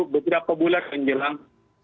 beberapa bulan yang jelang